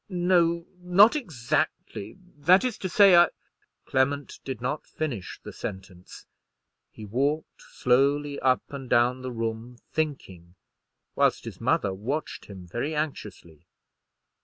"No, not exactly; that is to say, I——" Clement did not finish the sentence. He walked slowly up and down the room thinking, whilst his mother watched him very anxiously.